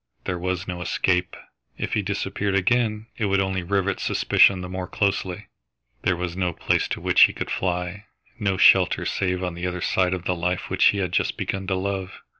There was no escape! If he disappeared again, it would only rivet suspicion the more closely. There was no place to which he could fly, no shelter save on the other side of the life which he had just begun to love.